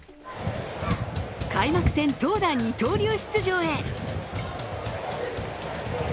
開幕戦、投打二刀流出場へ。